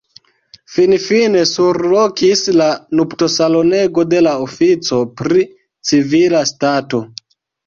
Finfine surlokis la nuptosalonego de la ofico pri civila stato.